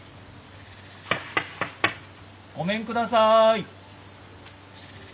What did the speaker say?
ごめんください。